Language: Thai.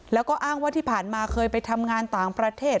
แล้วก็อ้างว่าที่ผ่านมาเคยไปทำงานต่างประเทศ